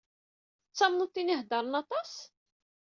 Tettamneḍ tin i iheddṛen aṭas?